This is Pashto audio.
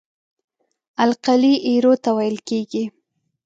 القلي ایرو ته ویل کیږي.